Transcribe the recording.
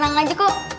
beneran aja kok